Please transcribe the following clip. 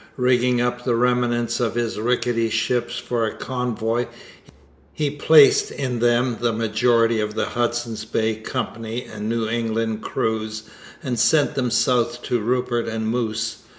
Rigging up the remnants of his rickety ships for a convoy, he placed in them the majority of the Hudson's Bay Company and New England crews and sent them south to Rupert and Moose.